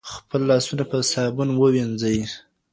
خپل لاسونه په صابون ووینځئ.